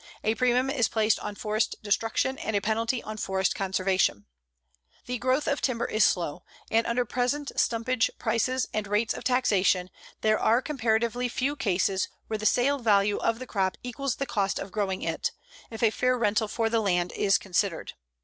A premium is placed on forest destruction and a penalty on forest conservation. The growth of timber is slow and under present stumpage prices and rates of taxation there are comparatively few cases where the sale value of the crop equals the cost of growing it, if a fair rental for the land is considered.